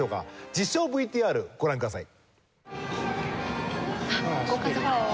実証ＶＴＲご覧ください。